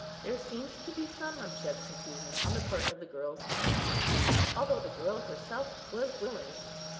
There seemed to be some objection to him on the part of the girl's parents, although the girl herself was willing.